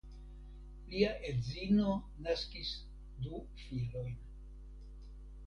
Lia edzino naskis du filojn.